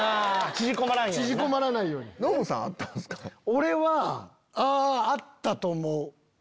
俺はあったと思う。